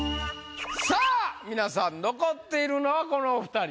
さあ皆さん残っているのはこのお２人。